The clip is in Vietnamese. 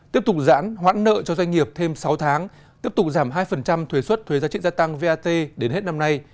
tiếp tục giãn hoãn nợ cho doanh nghiệp thêm sáu tháng tiếp tục giảm hai thuế xuất thuế giá trị gia tăng vat đến hết năm nay